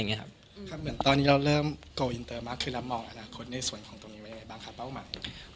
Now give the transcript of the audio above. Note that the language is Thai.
ครับเหมือนตอนนี้เราเริ่มโกลอินเตอร์มาคือเรามองอนาคตในส่วนของตรงนี้เป็นไงบ้างครับเป้าหมาย